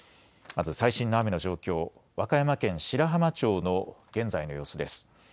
まず最新の雨の状況、和歌山県白浜町の現在の様子です。